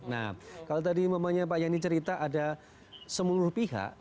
nah kalau tadi mamanya pak yani cerita ada seluruh pihak